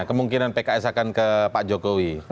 kemungkinan pks akan ke pak jokowi